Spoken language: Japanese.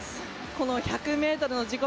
この１００ｍの自己